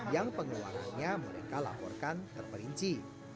yang pengeluaran nya mereka laporkan terperinci